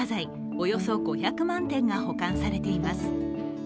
およそ５００万点が保管されています。